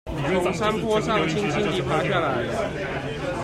從山坡上輕輕地爬下來了